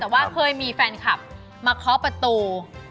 แต่ว่าเคยมีแฟนคลับมาเคาะประตู